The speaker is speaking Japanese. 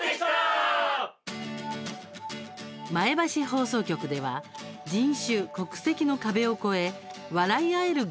前橋放送局では人種、国籍の壁を超え笑い合える